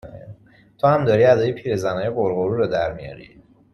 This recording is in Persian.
تو هم داری ادای پیرزنای غُرغُرو رو در میاری